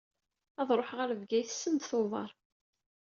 Ad ruḥeɣ ɣer Bgayet send Tubeṛ.